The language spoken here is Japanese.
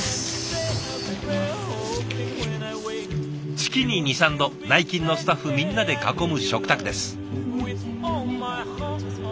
月に２３度内勤のスタッフみんなで囲む食卓です。